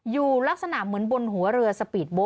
ลักษณะเหมือนบนหัวเรือสปีดโบ๊